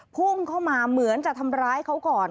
พุ่งเข้ามาเหมือนจะทำร้ายเขาก่อน